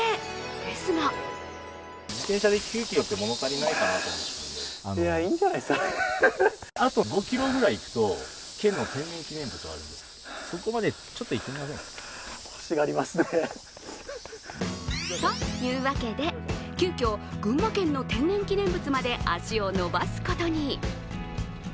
ですがというわけで急きょ、群馬県の天然記念物まで足を延ばすことに。